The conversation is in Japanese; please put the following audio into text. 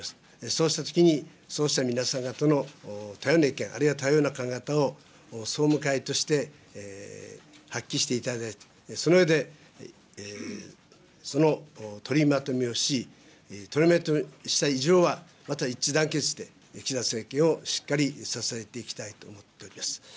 そうしたときに、そうした皆さん方の多様な意見、あるいは多様な考え方を、総務会として発揮していただいて、その上で、その取りまとめをし、取りまとめをした以上は、また一致団結して、岸田政権をしっかり支えていきたいと思っております。